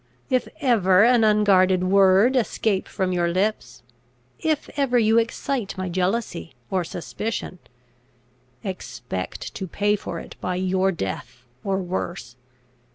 If ever an unguarded word escape from your lips, if ever you excite my jealousy or suspicion, expect to pay for it by your death or worse.